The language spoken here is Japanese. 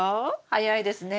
早いですね。